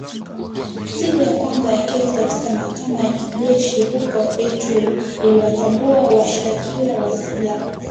Siku ya kwanza ya kesi katika mahakama ya kijeshi huko Ituri iliwatambua washtakiwa na silaha